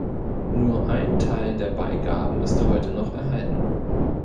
Nur ein Teil der Beigaben ist heute noch erhalten.